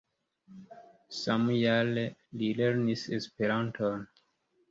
Samjare li lernis Esperanton.